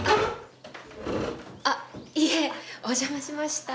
あいえお邪魔しました。